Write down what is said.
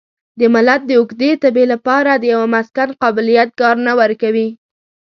د ملت د اوږدې تبې لپاره د یوه مسکن تابلیت کار نه ورکوي.